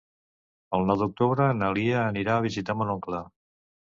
El nou d'octubre na Lia anirà a visitar mon oncle.